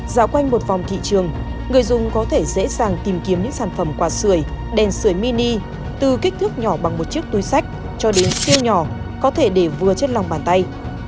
dạo quanh một vòng thị trường người dùng có thể dễ dàng tìm kiếm những sản phẩm quả sửa đèn sửa mini từ kích thước nhỏ bằng một chiếc túi sách cho đến siêu nhỏ có thể để vừa chất lòng bàn tay